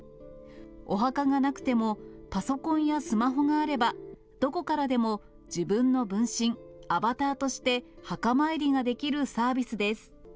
お墓がなくても、パソコンやスマホがあれば、どこからでも自分の分身・アバターとして墓参りができるサービスです。